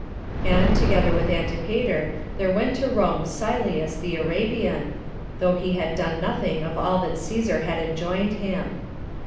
And, together with Antipater, there went to Rome Sylleus the Arabian, although he had done nothing of all that Cæsar had enjoined him.